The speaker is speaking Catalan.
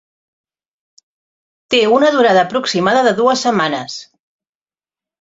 Té una durada aproximada de dues setmanes.